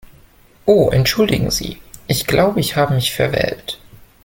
Oh entschuldigen Sie, ich glaube, ich habe mich verwählt.